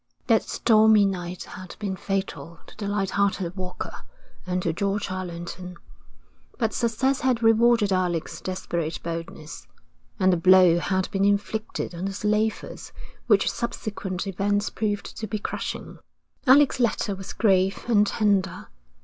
That stormy night had been fatal to the light hearted Walker and to George Allerton, but success had rewarded Alec's desperate boldness, and a blow had been inflicted on the slavers which subsequent events proved to be crushing. Alec's letter was grave and tender.